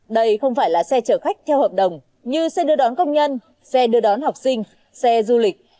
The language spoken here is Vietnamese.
đây không phải là xe chở khách theo hợp đồng như xe đưa đón công nhân xe đưa đón học sinh xe du lịch